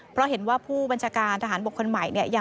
เพราะเห็นว่าผู้บัญชาการทหารบกคนใหม่เนี่ย